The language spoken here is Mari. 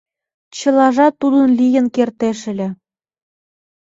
Чылажат тудын лийын кертеш ыле!